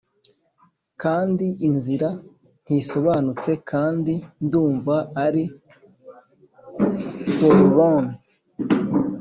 kandi inzira ntisobanutse kandi ndumva ari forlorn,